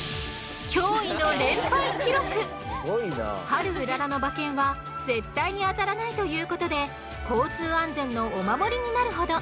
ハルウララの馬券は「絶対に当たらない」ということで交通安全のお守りになるほど。